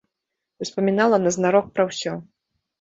Успамінала назнарок пра ўсё.